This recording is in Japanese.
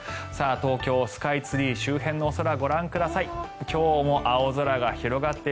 東京スカイツリー周辺のお空ご覧ください。